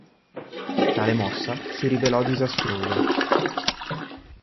Tale mossa si rivelò disastrosa.